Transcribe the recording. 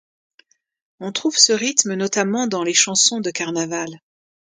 On trouve ce rythme notamment dans les chansons de carnaval.